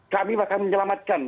kami bahkan menyelamatkan